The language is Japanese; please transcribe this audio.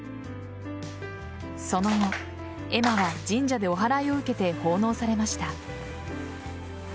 その後、絵馬は神社でおはらいを受けて奉納されました。